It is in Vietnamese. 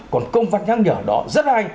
còn công pháp nhắc nhở đó rất hay